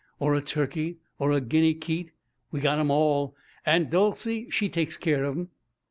Or a turkey? Or a guinea keet? We got 'em all. Aunt Dolcey, she takes care of 'em."